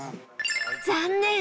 残念！